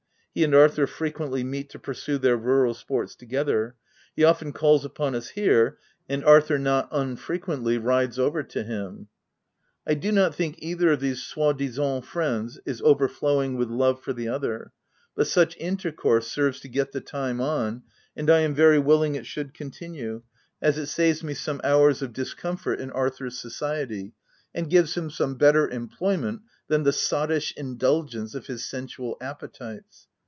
He and Arthur frequently meet to pursue their rural sports together : he often calls upon us here, and Arthur not unfrequently rides over to him. I do not think either of these soi disant friends is overflowing with love for the other ; but such intercourse serves to get the time on, and I am very willing it should continue, as it saves me 336 THE TENANT some hours of discomfort in Arthur's society, and gives him some better employment than the sottish indulgence of his sensual appetites.